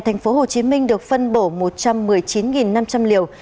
tp hcm được phân bổ một trăm một mươi chín năm trăm linh liều